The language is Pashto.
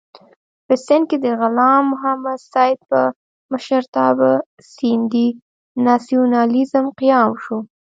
په سېند کې د غلام محمد سید په مشرتابه د سېندي ناسیونالېزم قیام وشو.